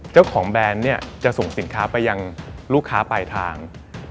เจ้าของแบรนด์จะส่งสินค้าไปยังลูกค้าปลายทาง